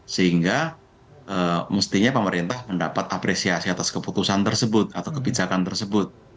sehingga mestinya pemerintah mendapat apresiasi atas keputusan tersebut atau kebijakan tersebut